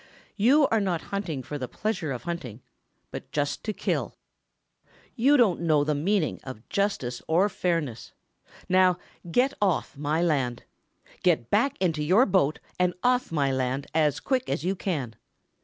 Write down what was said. You are not hunting for the pleasure of hunting but just to kill. You don't know the meaning of justice or fairness. Now get off my land. Get back into your boat and off my land as quick as you can.